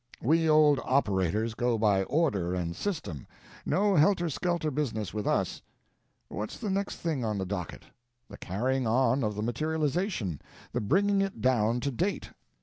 We old operators, go by order and system—no helter skelter business with us. What's the next thing on the docket? The carrying on of the materialization—the bringing it down to date.